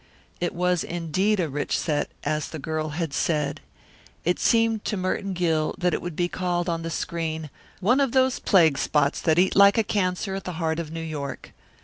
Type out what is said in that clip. It was indeed a rich set, as the girl had said. It seemed to Merton Gill that it would be called on the screen "One of those Plague Spots that Eat like a Cancer at the Heart of New York."